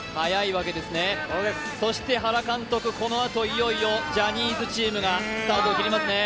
そして原監督、このあといよいよジャニーズチームがスタートを切りますね。